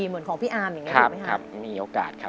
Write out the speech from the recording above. เหมือนของพี่อาร์มอย่างนี้ถูกไหมครับมีโอกาสครับ